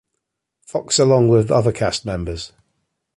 Fox along with other cast members.